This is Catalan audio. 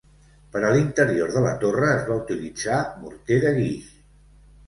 Per a l'interior de la torre es va utilitzar morter de guix.